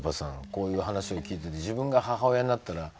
こういう話を聞いてて自分が母親になったら。